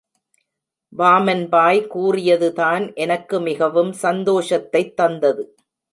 வாமன்பாய் கூறியதுதான் எனக்கு மிகவும் சந்தோஷத்தைத் தந்தது.